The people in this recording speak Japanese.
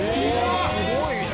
すごいね！